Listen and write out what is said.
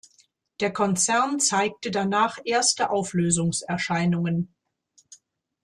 Der Konzern zeigte danach erste Auflösungserscheinungen.